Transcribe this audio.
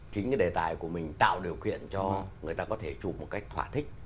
chính cái đề tài của mình tạo điều kiện cho người ta có thể chụp một cách thỏa thích